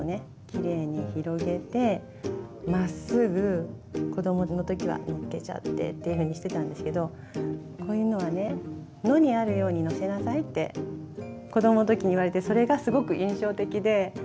きれいに広げてまっすぐ子どもの時はのっけちゃってっていうふうにしてたんですけどって子どもの時に言われてそれがすごく印象的で。